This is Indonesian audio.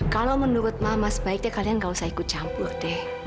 kalau menurut mama sebaiknya kalian gak usah ikut campur deh